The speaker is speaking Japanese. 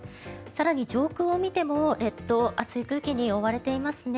更に上空を見ても列島暑い空気に覆われていますね。